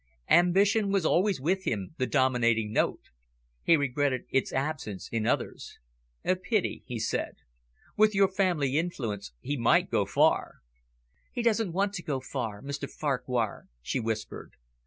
Ambition was always with him the dominating note. He regretted its absence in others. "A pity," he said. "With your family influence, he might go far." "He doesn't want to go far, Mr Farquhar," she whispered.